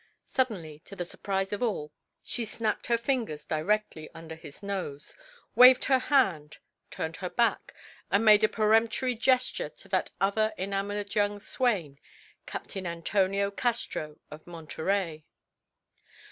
Suddenly to the surprise of all, she snapped her fingers directly under his nose, waved her hand, turned her back, and made a peremptory gesture to that other enamoured young swain, Captain Antonio Castro of Monterey.